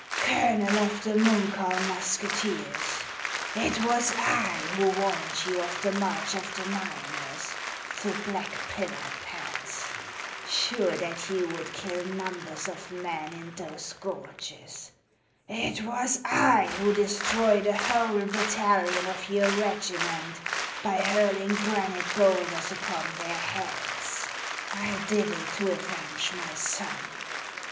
Colonel of the Munkholin mus keteers, it was T who warned you of the march of the miners through Black Pillar Pass, sure that you would kill numbers of men in those gorges ; it was I who destroyed a whole battalion of your regiment by hurling granite bowlders upon their heads. I did it to avenge my son.